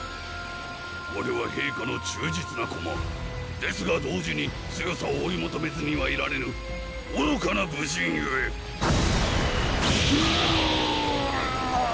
・われは陛下の忠実な駒ですが同時に強さを追いもとめずにはいられぬおろかな武人ゆえウオーッ！